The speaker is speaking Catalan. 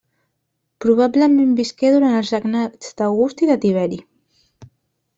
Probablement visqué durant els regnats d'August i de Tiberi.